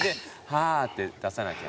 ハァって出さなきゃ。